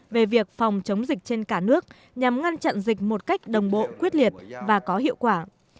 về việc phòng chống dịch trên cả nước nhằm ngăn chặn dịch một cách đồng bộ quyết liệt và có hiệu quả